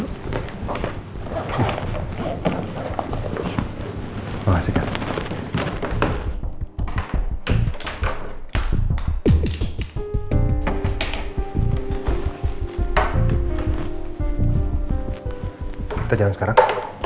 kita jalan sekarang